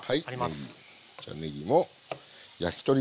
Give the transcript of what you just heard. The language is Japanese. はい。